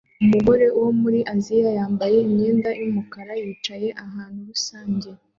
Umugore wo muri Aziya wambaye imyenda yumukara yicaye ahantu rusange